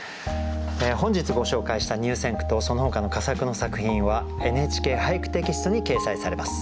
本日ご紹介した入選句とそのほかの佳作の作品は「ＮＨＫ俳句」テキストに掲載されます。